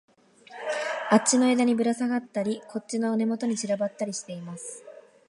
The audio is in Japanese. あっちの枝にぶらさがったり、こっちの根元に散らばったりしています